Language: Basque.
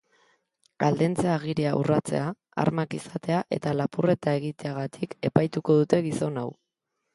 Aldentze agiria urratzea, armak izatea eta lapurreta egiteagatik epaituko dute gizon hau.